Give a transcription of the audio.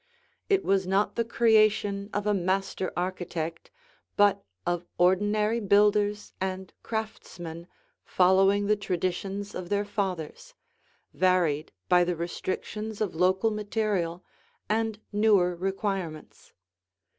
It was not the creation of a master architect but of ordinary builders and craftsmen following the traditions of their fathers, varied by the restrictions of local material and newer requirements.